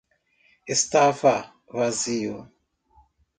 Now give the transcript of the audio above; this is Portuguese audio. Estava vazio.